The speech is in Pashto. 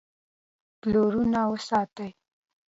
پلونه وساتئ